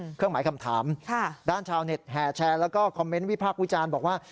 เครื่องหมายคำถามด้านชาวเน็ตแห่แชร์แล้วก็คอมเมนต์วิพากษ์วิจารณ์บอกว่า